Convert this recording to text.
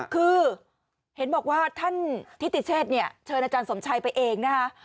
คือเห็นบอกว่าท่านทิติเชษเนี่ยเชิญอาจารย์สมชัยไปเองนะคะ